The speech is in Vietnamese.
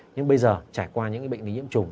nhưng bây giờ trải qua những bệnh lý nhiễm trùng